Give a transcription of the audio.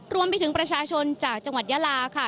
รวมไปถึงประชาชนจากจังหวัดยาลาค่ะ